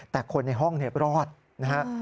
แต่คนในห้องรอดนะฮะ